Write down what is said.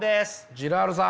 ジラールさん。